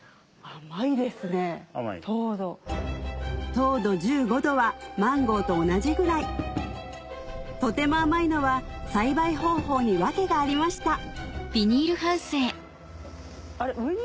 糖度１５度はマンゴーと同じぐらいとても甘いのは栽培方法に訳がありました上に？